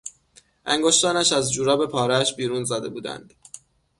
انگشتانش از جوراب پارهاش بیرون زده بودند.